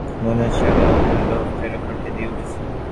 মনে হচ্ছে আগের হতদরিদ্র অবস্থা এরা কাটিয়ে উঠেছে।